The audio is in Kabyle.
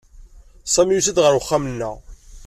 Sami yusa-d ɣer uxxam-nneɣ.